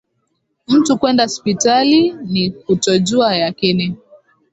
Mtu kwenda sipitali, ni kutojuwa yakini.